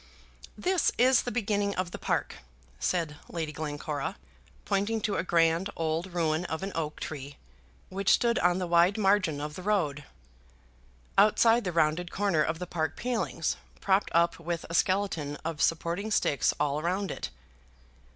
"This is the beginning of the park," said Lady Glencora, pointing to a grand old ruin of an oak tree, which stood on the wide margin of the road, outside the rounded corner of the park palings, propped up with a skeleton of supporting sticks all round it.